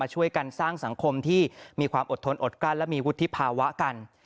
ช่วยกันสร้างสังคมที่มีความอดทนอดกั้นและมีวุฒิภาวะกัน